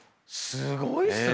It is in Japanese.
すごいっすね。